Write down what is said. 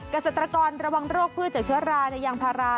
เกษตรกรระวังโรคพืชจากเชื้อราในยางพารา